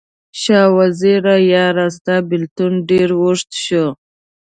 شاه وزیره یاره، ستا بیلتون ډیر اوږد شو